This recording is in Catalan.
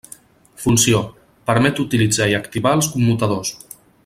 Funció: permet utilitzar i activar els commutadors.